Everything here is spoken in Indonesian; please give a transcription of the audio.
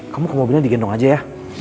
kamu ke mobilnya digendong aja ya